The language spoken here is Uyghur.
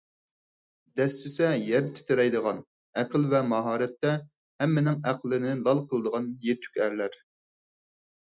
دەسسىسە يەر تىترەيدىغان، ئەقىل ۋە ماھارەتتە ھەممىنىڭ ئەقلىنى لال قىلىدىغان يېتۈك ئەرلەر